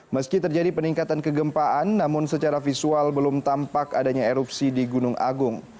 meski terjadi peningkatan kegempaan namun secara visual belum tampak adanya erupsi di gunung agung